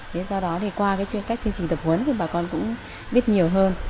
thế do đó thì qua các chương trình tập huấn thì bà con cũng biết nhiều hơn